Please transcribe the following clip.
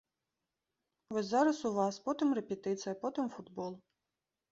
Вось зараз у вас, потым рэпетыцыя, потым футбол.